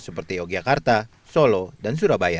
seperti yogyakarta solo dan surabaya